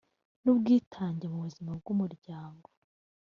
n ubwitange mu buzima bw umuryango